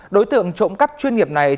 đối tượng trộm cắp chuyên nghiệp này